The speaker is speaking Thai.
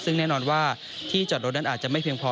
ซึ่งแน่นอนว่าที่จอดรถนั้นอาจจะไม่เพียงพอ